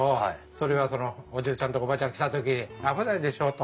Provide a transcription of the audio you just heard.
それはそのおじいちゃんとかおばあちゃん来た時に危ないでしょうと。